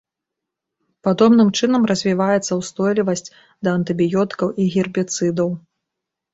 Падобным чынам развіваецца ўстойлівасць да антыбіётыкаў і гербіцыдаў.